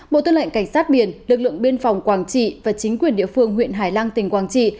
bộ tư lệnh cảnh sát biển lực lượng biên phòng quảng trị và chính quyền địa phương huyện hải lăng tỉnh quảng trị